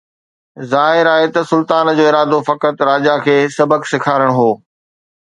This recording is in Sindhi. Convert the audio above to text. ظاهر آهي ته سلطان جو ارادو فقط راجا کي سبق سيکارڻ هو